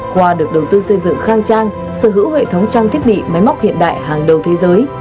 khoa được đầu tư xây dựng khang trang sở hữu hệ thống trang thiết bị máy móc hiện đại hàng đầu thế giới